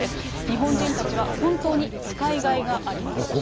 日本人たちは本当に使いがいがありますと。